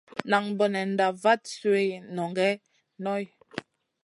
Nan bonenda vat sui nʼongue Noy.